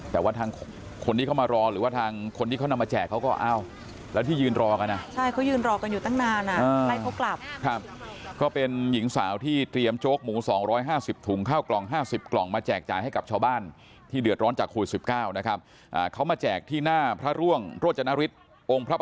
แต่ว่าทางคนที่เขามารอหรือว่าทางคนที่เขานำมาแจกเขาก็อ้าวแล้วที่ยืนรอกันอ่ะใช่เขายืนรอกันอยู่ตั้งนานอ่ะให้เขากลับครับก็เป็นหญิงสาวที่เตรียมโจ๊กหมู๒๕๐ถุงข้าวกล่อง๕๐กล่องมาแจกจ่ายให้กับชาวบ้านที่เดือดร้อนจากโควิด๑๙นะครับเขามาแจกที่หน้าพระร่วงโรจนฤทธิ์